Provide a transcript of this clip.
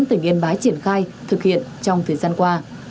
tỉnh yên bái triển khai thực hiện trong thời gian qua